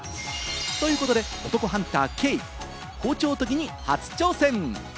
ということで、お得ハンター・兄、包丁研ぎに初挑戦。